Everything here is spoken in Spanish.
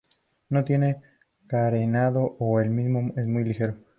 No tienen carenado o el mismo es muy ligero.